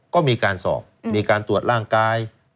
ก็มีการสอบมีการตรวจร่างกาย